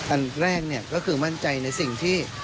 อันแรกก็คือมั่นใจในสิ่งที่